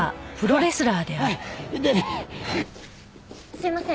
すいません。